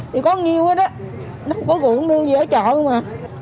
thì có nhiều hết á nó cũng đưa về chợ mà